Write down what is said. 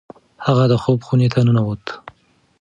هغه د خوب خونې ته ننوت.